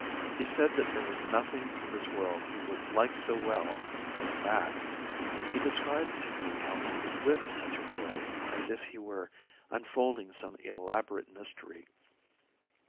He said that there was nothing in this world he would like so well as that. He described to me how he would whip such a boy as if he were unfolding some elaborate mystery.